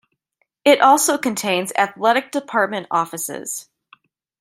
It also contains Athletic Department offices.